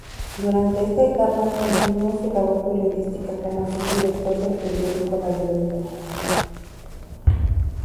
Durante esta etapa continuó su labor periodística como subdirector del periódico "La Libertad".